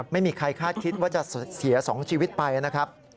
ไม่มีใครคาดคิดว่าจะเสีย๒ชีวิตไปนะครับ